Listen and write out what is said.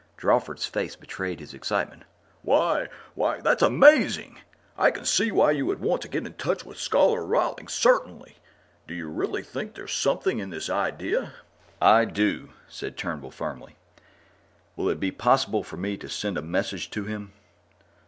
Drawford's face betrayed his excitement. "Why ... why, that's amazing! I can see why you wanted to get in touch with Scholar Rawlings, certainly! Do you really think there's something in this idea?" "I do," said Turnbull firmly. "Will it be possible for me to send a message to him?"